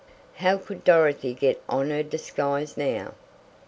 How could Dorothy get on her disguise now?